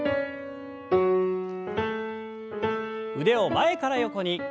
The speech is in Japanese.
腕を前から横に。